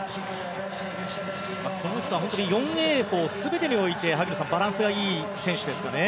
この人は４泳法全てにおいてバランスがいい選手ですかね。